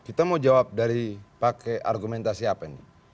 kita mau jawab dari pakai argumentasi apa ini